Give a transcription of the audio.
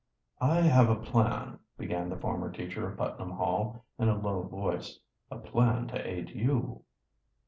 "I have a plan," began the former teacher of Putnam Hall, in a low voice, "a plan to aid you."